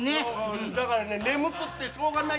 だから眠くってしょうがないんですよ。